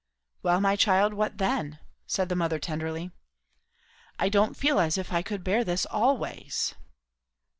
"Well, my child? what then?" said the mother tenderly. "I don't feel as if I could bear this always."